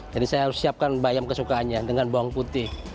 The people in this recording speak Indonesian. jadi saya harus siapkan bayam kesukaannya dengan bawang putih